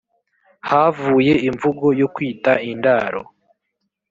havuye imvugo yo kwita indaro